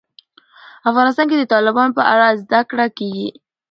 افغانستان کې د تالابونه په اړه زده کړه کېږي.